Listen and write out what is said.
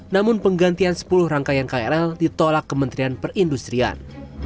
namun penggantian sepuluh rangkaian krl ditolak kementerian perindustrian